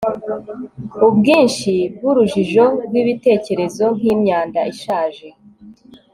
Ubwinshi bwurujijo rwibitekerezo nkimyanda ishaje